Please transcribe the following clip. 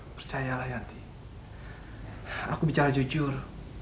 percayalah yanti aku bicara jujur